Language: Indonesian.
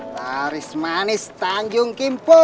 laris manis tangjung kimpu